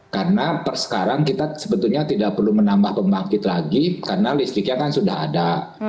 karena sekarang kita sebetulnya tidak perlu menambah pembangkit lagi karena listriknya kan sudah ada